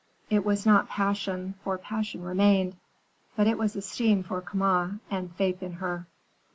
It was not passion, for passion remained; but it was esteem for Kama, and faith in her.